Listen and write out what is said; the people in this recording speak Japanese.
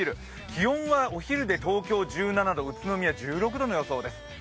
気温はお昼で東京１７度、宇都宮１６度の予想です。